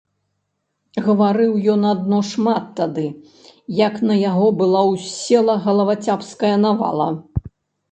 Гаварыў ён адно шмат тады, як на яго была ўссела галавацяпская навала.